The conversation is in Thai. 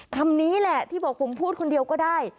คำนี้แหละที่บอกผมพูดคนเดียวก็ได้